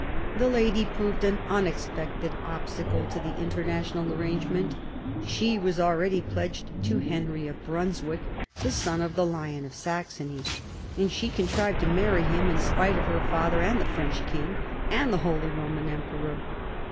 The lady proved an unexpected obstacle to the international arrangement; she was already pledged to Henry of Brunswick, the son of the Lion of Saxony, and she con trived to marry him in spite of her father and the French king, and the Holy Roman Emperor.